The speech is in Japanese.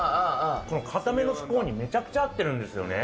硬めのスコーンにめちゃくちゃ合ってるんですよね。